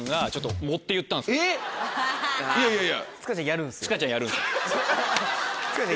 えっいやいやいや。